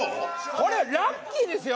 これラッキーですよ